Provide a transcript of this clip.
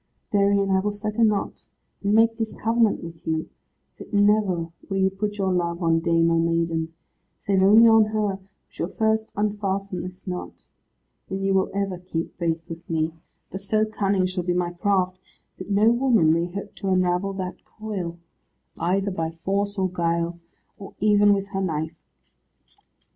Therein I will set a knot, and make this covenant with you, that never will you put your love on dame or maiden, save only on her who shall first unfasten this knot. Then you will ever keep faith with me, for so cunning shall be my craft, that no woman may hope to unravel that coil, either by force or guile, or even with her knife."